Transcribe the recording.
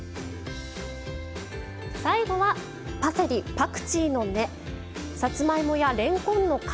最後は「パセリパクチーの根さつまいもやれんこんの皮」です。